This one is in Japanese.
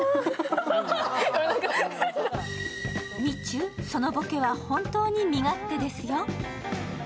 みちゅ、そのボケは本当に身勝手ですよ。